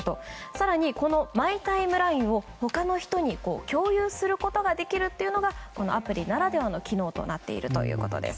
更に、マイ・タイムラインを他の人に共有することができるのがこのアプリならではの機能になっているということです。